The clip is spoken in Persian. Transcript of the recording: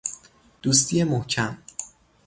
دوستی محکم